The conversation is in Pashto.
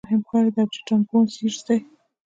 مهم ښار یې د ارجنټاین بونس ایرس دی.